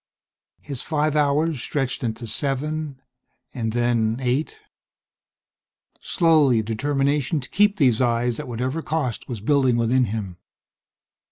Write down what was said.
His five hours stretched into seven, and then, eight. Slowly a determination to keep these eyes, at whatever cost, was building within him.